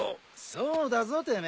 そうだぞてめえ。